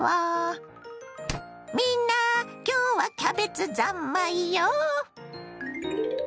みんな今日はキャベツ三昧よ！